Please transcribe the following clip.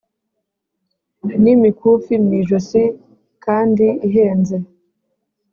N’imikufi mu ijosi kndi ihenze